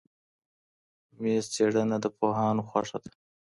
میز څېړنه د پوهانو خوښه ده.